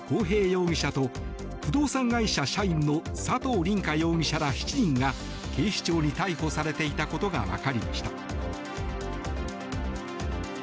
容疑者と不動産会社社員の佐藤凛果容疑者ら７人が警視庁に逮捕されていたことがわかりました。